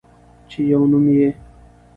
چې يو نوم يې